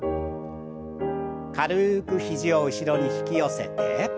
軽く肘を後ろに引き寄せて。